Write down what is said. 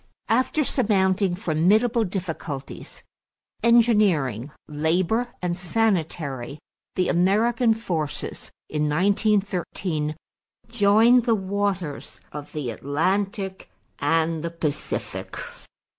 After surmounting formidable difficulties engineering, labor, and sanitary the American forces in 1913 joined the waters of the Atlantic and the Pacific.